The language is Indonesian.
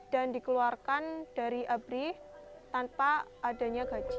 dan dikeluarkan dari abrih tanpa adanya gaji